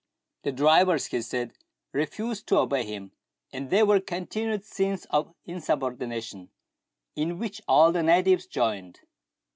The drivers, he said, refused to obey him ; and there were continued scenes of insubordination, in which all the natives joined.